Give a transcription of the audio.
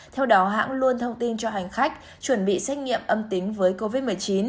theo đó hãng luôn thông tin cho hành khách chuẩn bị xét nghiệm âm tính với covid một mươi chín